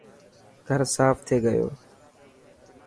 گهر صاف ٿي گيو.